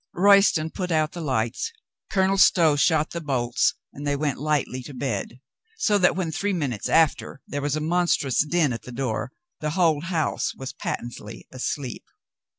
Royston put out the lights, Colonel Stow shot the bolts, and they went lightly to bed. So that when three minutes after there was a monstrous din at the door, the whole house was patently asleep.